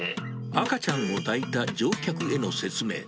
赤ちゃんを抱いた乗客への説明。